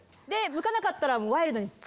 むかなかったら。